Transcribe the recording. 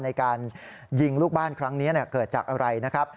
ในการยิงลูกบ้านครั้งนี้เกิดจากอะไรนะครับ